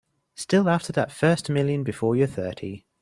Still after that first million before you're thirty.